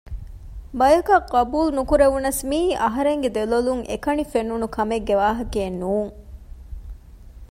ބަޔަކަށް ޤަބޫލް ނުކުރެވުނަސް މިއީ އަހަރެންގެ ދެލޮލުން އެކަނި ފެނުނު ކަމެއްގެ ވާހަކައެއް ނޫން